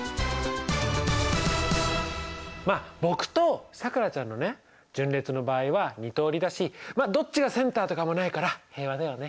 まあ僕とさくらちゃんのね順列の場合は２通りだしどっちがセンターとかもないから平和だよね。